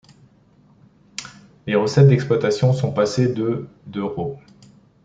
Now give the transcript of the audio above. Les recettes d'exploitation sont passées de d'euros.